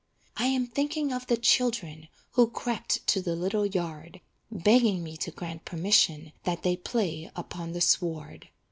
I am thinking of the children Who crept to the little yard, Begging me to grant permission That they play upon the sward.